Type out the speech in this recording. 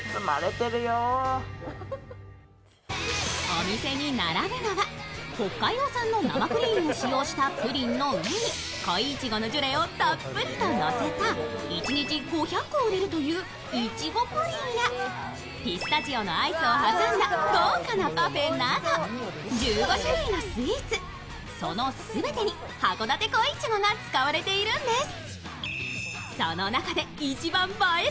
お店に並ぶのは北海道産の生クリームを使用したぷりんの上に恋いちごのジュレをたっぷりとのせた一日５００個売れるといういちごぷりんや、ピスタチオのアイスを挟んだ豪華なパフェなど、１５種類のスイーツ、その全てにはこだて恋いちごが使われているんです。